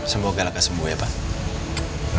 semoga laka sembuh ya pak